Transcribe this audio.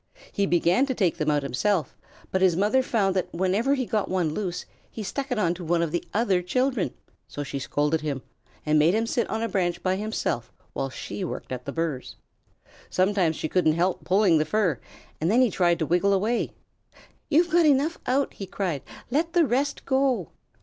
He began to take them out himself, but his mother found that whenever he got one loose he stuck it onto one of the other children, so she scolded him and made him sit on a branch by himself while she worked at the burrs. Sometimes she couldn't help pulling the fur, and then he tried to wriggle away. "You've got enough out," he cried. "Let the rest go."